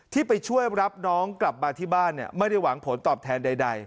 ที่ไปช่วยรับน้องกลับมาที่บ้านไม่ได้หวังผลตอบแทนใด